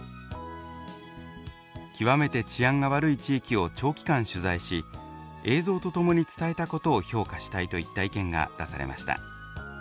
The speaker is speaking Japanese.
「極めて治安が悪い地域を長期間取材し映像と共に伝えたことを評価したい」といった意見が出されました。